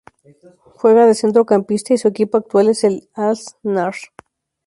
Juega de centrocampista y su equipo actual es el Al-Nasr.